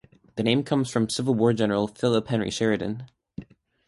The name comes from Civil War General Philip Henry Sheridan.